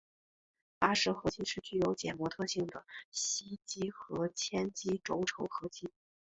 巴氏合金是具有减摩特性的锡基和铅基轴承合金。